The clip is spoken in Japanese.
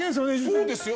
そうですよ。